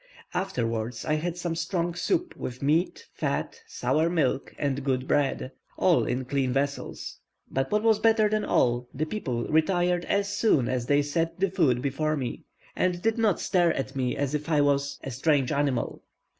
Afterwards I had some strong soup with meat, fat, sour milk, and good bread, all in clean vessels; but what was better than all, the people retired as soon as they had set the food before me, and did not stare at me as if I was a strange animal.